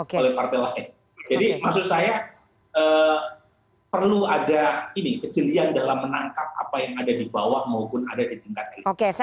oke saya mau tanya ke mas asto apakah ini kejelian pdip perjuangan menangkap apa yang sedang terjadi di elit dan juga di akar rumput bahwa tadi yang disampaikan oleh mas burhan